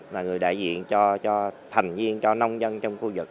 là người đại diện cho thành viên cho nông dân trong khu vực